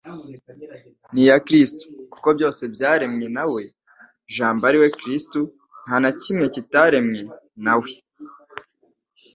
Ni iya Kristo. " Kuko byose byaremwe na we, Jambo ari we Kristo nta na kimwe kitaremwe na we.